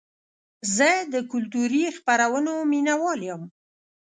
زه د کلتوري خپرونو مینهوال یم.